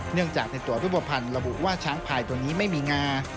เนื่องจากในตัวรูปภัณฑ์ระบุว่าช้างพายตัวนี้ไม่มีงา